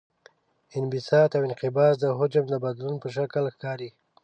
انبساط او انقباض د حجم د بدلون په شکل ښکاري.